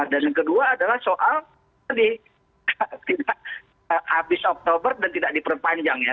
dan yang kedua adalah soal abis oktober dan tidak diperpanjang ya